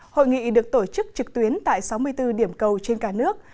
hội nghị được tổ chức trực tuyến tại sáu mươi bốn điểm cầu trên cả nước